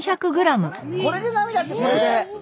これで並だってこれで。